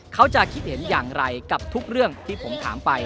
เขาจะคิดเห็นอย่างไรกับทุกเรื่องที่ผมถามไป